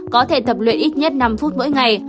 có thể tập luyện ít nhất năm phút mỗi ngày